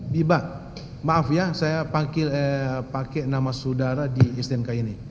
biba maaf ya saya pakai nama saudara di stnk ini